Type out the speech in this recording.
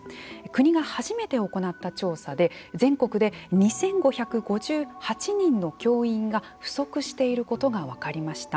国が初めて行った調査で全国で２５５８人の教員が不足していることが分かりました。